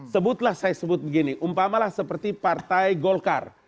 sebutlah saya sebut begini umpamalah seperti partai golkar